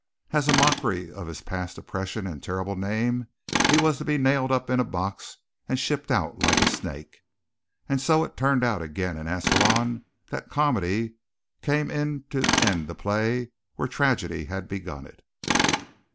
As a mockery of his past oppression and terrible name, he was to be nailed up in a box and shipped out like a snake. And so it turned out again in Ascalon that comedy came in to end the play where tragedy had begun it.